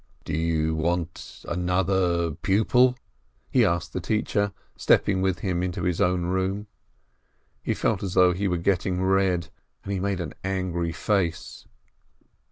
"Do you want another pupil?" he asked the teacher, stepping with him into his own room. He felt as though he were getting red, and he made a very angry face.